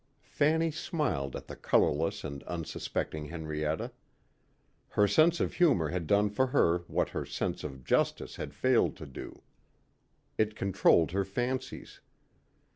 Fanny smiled at the colorless and unsuspecting Henrietta. Her sense of humor had done for her what her sense of justice had failed to do. It controlled her fancies.